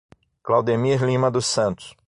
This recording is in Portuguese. Claudenir Lima dos Santos